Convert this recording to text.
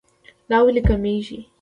دا ولې کميږي